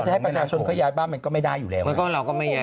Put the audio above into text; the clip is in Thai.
ก็จะให้ประชาชนเขาย้ายบ้างมันก็ไม่ได้อยู่แล้วมันก็เราก็ไม่ย้าย